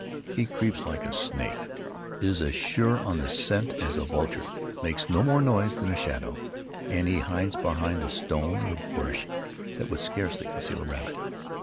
He creeps like a snake, is as sure on the scent as a vulture, makes no more noise than a shadow, and he hides behind a stone or bush that would scarcely conceal a rabbit.